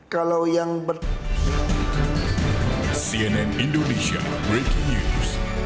kalau yang bertanya itu tidak ada